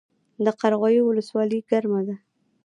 د قرغیو ولسوالۍ ګرمه ده